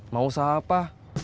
mau usaha apa